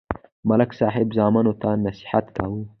ملک صاحب زامنو ته نصحت کاوه